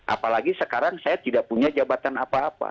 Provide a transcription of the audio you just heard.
apalagi sekarang saya tidak punya jabatan apa apa